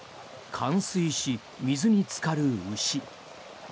冠水し、水につかる牛。